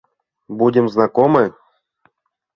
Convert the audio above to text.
Будем знакомы.